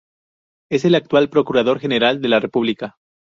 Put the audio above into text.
Es el actual Procurador General de la República.